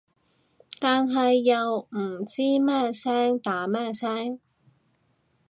但係又唔知咩聲打咩聲